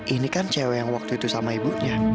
ini kan cewek yang waktu itu sama ibunya